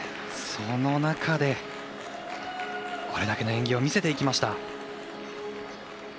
その中でこれだけの演技を見せていきました。